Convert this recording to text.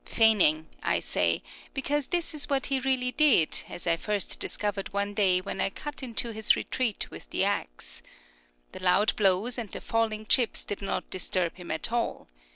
Feigning, I say, because this is what he really did, as I first discovered one day when I cut into his retreat with the axe. The loud blows and the falling chips did not disturb him at all.